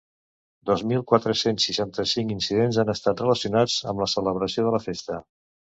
Dos mil quatre-cents seixanta-cinc incidents han estat relacionats amb la celebració de la festa.